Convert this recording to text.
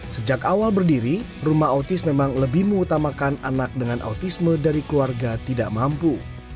sejak awal berdiri rumah autis memang lebih mengutamakan anak dengan autisme dari keluarga tidak mampu